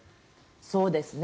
そうですね。